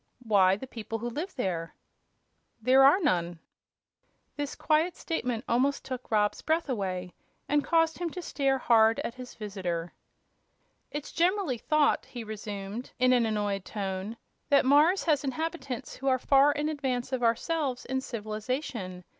"Why, the people who live there." "There are none." This great statement almost took Rob's breath away, and caused him to stare hard at his visitor. "It's generally thought," he resumed, in an annoyed tone, "that Mars has inhabitants who are far in advance of ourselves in civilization.